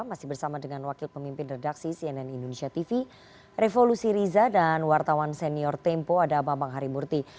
masih bersama dengan wakil pemimpin redaksi cnn indonesia tv revolusi riza dan wartawan senior tempo ada bambang harimurti